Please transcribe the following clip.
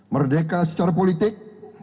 merdeka secara politik